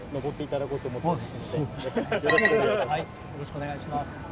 よろしくお願いします。